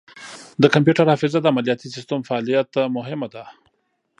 د کمپیوټر حافظه د عملیاتي سیسټم فعالیت ته مهمه ده.